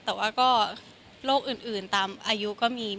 แต่ว่าก็โรคอื่นตามอายุก็มี